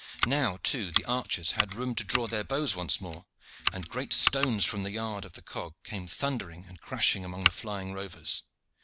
Now, too, the archers had room to draw their bows once more, and great stones from the yard of the cog came thundering and crashing among the flying rovers.